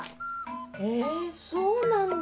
えそうなんだ。